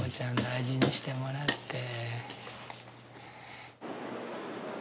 大事にしてもらって。